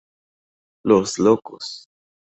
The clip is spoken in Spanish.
Los Locos